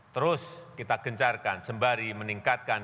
terus kita gencarkan sembari meningkatkan